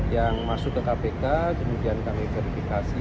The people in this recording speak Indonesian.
yang masuk ke kpk kemudian kami verifikasi